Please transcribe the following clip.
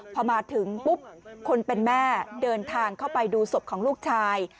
พอมาถึงปุ๊บคนเป็นแม่เดินทางเข้าไปดูศพของลูกชาย